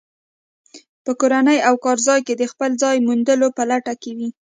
په کورنۍ او کارځای کې د خپل ځای موندلو په لټه کې وي.